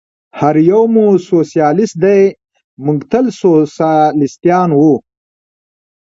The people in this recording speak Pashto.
هر یو مو سوسیالیست دی، موږ تل سوسیالیستان و.